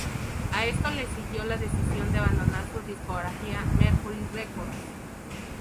A esto le siguió la decisión de abandonar su discográfica Mercury Records.